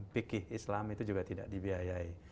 fikih islam itu juga tidak dibiayai